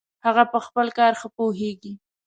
هغه په خپل کار ښه پوهیږي